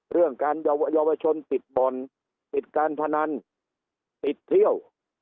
เรื่องการเยาวชนติดบ่อนติดการพนันติดเที่ยว